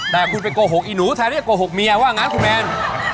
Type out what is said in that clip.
แต่คุณไปโกหกอีหนูแทนเรียกโกหกเมียว่างั้นคุณแมน